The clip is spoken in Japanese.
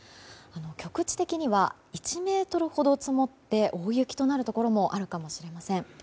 局地的には１ｍほど積もって大雪となるところもあるかもしれません。